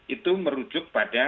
itu merujuk pada